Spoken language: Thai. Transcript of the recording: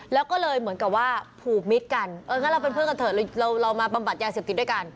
แล้วก็เลยเหมือนกับว่าผูกมิตรกันเอองั้นเราเป็นเพื่อนกันเถอะเรามาบำบัดยาเสพติดด้วยกัน